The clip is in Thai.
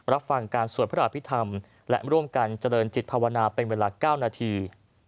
รับฟังการสวดพระอภิษฐรรมและร่วมกันเจริญจิตภาวนาเป็นเวลา๙นาที